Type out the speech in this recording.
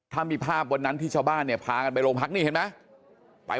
ถ้ามีภาพวันนั้นที่ชาวบ้านเนี่ยพากันไปโรงพักนี่เห็นไหม